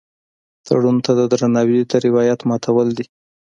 تړون ته د درناوي د روایت ماتول دي.